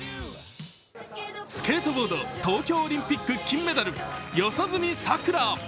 スケートボード・東京オリンピック金メダル、四十住さくら。